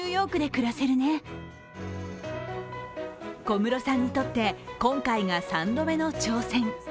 小室さんにとって今回が３度目の挑戦。